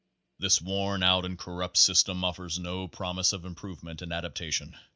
This worn out and corrupt system offers no promise of improvement and adaptation.